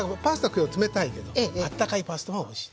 今日は冷たいけどあったかいパスタもおいしい。